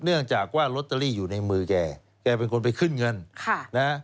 เนื่องจากว่าลอตเตอรี่อยู่ในมือแกแกเป็นคนไปขึ้นเงินค่ะนะ